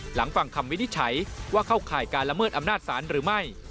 ฟังคำวินิจฉัยว่าเข้าข่ายการละเมิดอำนาจศาลหรือไม่